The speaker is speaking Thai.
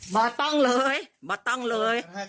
มาตั้งเลย